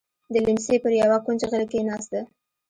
د ليمڅي پر يوه کونج غلې کېناسته.